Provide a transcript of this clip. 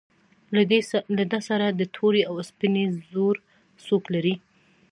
له ده سره د تورې او سپینې زور څوک لري.